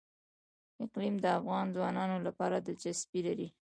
اقلیم د افغان ځوانانو لپاره دلچسپي لري.